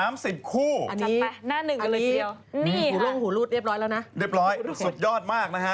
เรียบร้อยสุดยอดมากนะฮะ